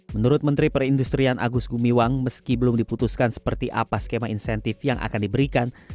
menurut menteri perindustrian agus gumiwang meski belum diputuskan seperti apa skema insentif yang akan diberikan